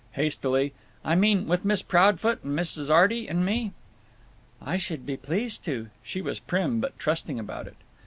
Hastily, "I mean with Miss Proudfoot and Mrs. Arty and me?" "I should be pleased to." She was prim but trusting about it.